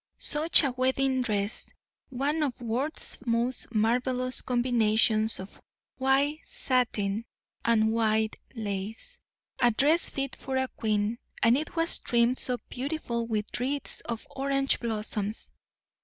Such a wedding dress one of Worth's most marvelous combinations of white satin and white lace a dress fit for a queen; and it was trimmed so beautifully with wreaths of orange blossoms.